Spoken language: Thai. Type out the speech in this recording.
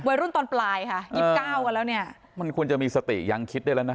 ตอนปลายค่ะยี่สิบเก้ากันแล้วเนี่ยมันควรจะมีสติยังคิดได้แล้วนะ